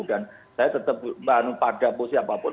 dan saya tetap bantuan pada siapapun